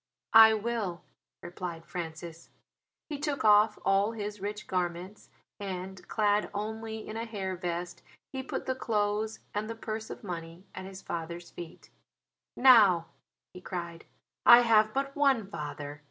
"I will," replied Francis. He took off all his rich garments; and, clad only in a hair vest, he put the clothes and the purse of money at his father's feet. "Now," he cried, "I have but one father.